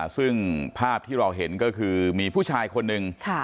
ซึ่งภาพที่เราเห็นก็คือมีผู้ชายคนหนึ่ง